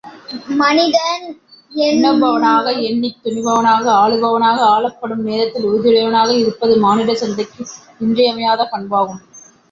மனிதன் எண்ணுபவனாக எண்ணித் துணிபவனாக ஆளுபவனாக ஆளப்படும் நேரத்தில் உறுதியுடையவனாக இருப்பது மானிடச் சந்தைக்கு இன்றியமையாத பண்பாகும்.